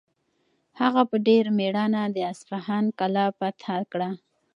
هغه په ډېر مېړانه د اصفهان کلا فتح کړه.